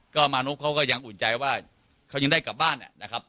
ก็มานพเขาก็ยังอุ่นใจว่าเขายังได้กลับบ้านนะครับ